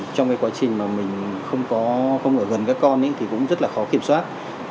trong cái quá trình mà mình không ở gần các con thì cũng rất là khó kiểm soát